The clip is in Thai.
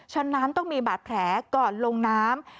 ฉะนั้นต้องมีบาดแผลก่อนลงน้ำ